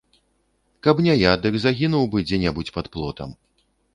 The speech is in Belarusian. Каб не я, дык загінуў бы дзе-небудзь пад плотам.